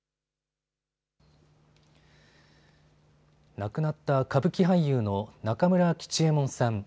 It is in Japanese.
亡くなった歌舞伎俳優の中村吉右衛門さん。